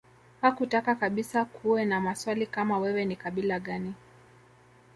Hakutaka kabisa kuwe na maswali kama wewe ni kabila gani